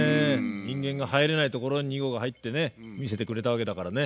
人間が入れないところに２号が入ってね見せてくれたわけだからね。